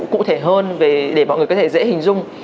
cụ thể hơn để mọi người có thể dễ hình dung